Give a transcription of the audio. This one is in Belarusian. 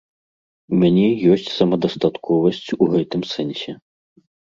У мяне ёсць самадастатковасць у гэтым сэнсе.